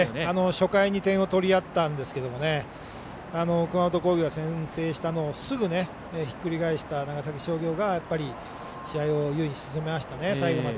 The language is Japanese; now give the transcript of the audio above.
初回に点を取り合ったんですが熊本工業が先制したのをすぐひっくり返した長崎商業が最後まで試合を優位に進めましたね。